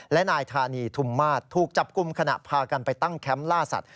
และนายธานีทุมมาศถูกจับกลุ่มขณะพากันไปตั้งแคมป์ล่าสัตว